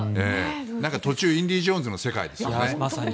途中「インディ・ジョーンズ」の世界ですね。